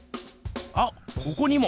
あっここにも！